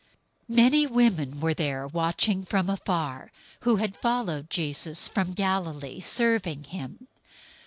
027:055 Many women were there watching from afar, who had followed Jesus from Galilee, serving him.